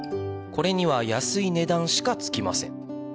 これには安い値段しかつきません